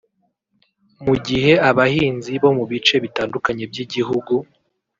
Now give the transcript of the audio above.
Mu gihe abahinzi bo mu bice bitandukanye by’igihugu